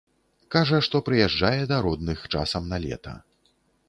Кажа, што прыязджае да родных часам на лета.